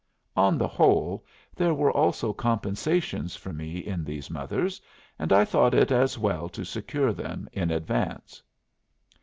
On the whole, there were also compensations for me in these mothers, and I thought it as well to secure them in advance.